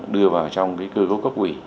đưa vào trong cái cơ cấu cấp quỷ